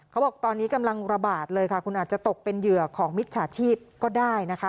เขาบอกตอนนี้กำลังระบาดเลยค่ะคุณอาจจะตกเป็นเหยื่อของมิจฉาชีพก็ได้นะคะ